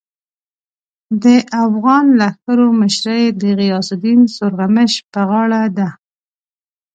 د اوغان لښکرو مشري د غیاث الدین سورغمش پر غاړه ده.